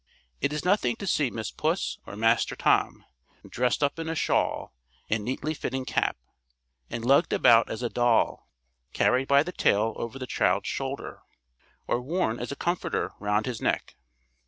It is nothing to see Miss Puss or Master Tom dressed up in a shawl and neatly fitting cap, and lugged about as a doll, carried by the tail over the child's shoulder, or worn as a comforter round his neck.